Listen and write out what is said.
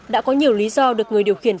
đã có nhiều lý do được người điều khiển